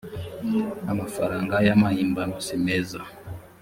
amafaranga y amahimbano simeza